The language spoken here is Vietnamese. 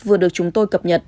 vừa được chúng tôi cập nhật